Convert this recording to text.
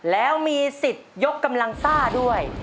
แล้วมีสิทธิ์ยกกำลังซ่าด้วย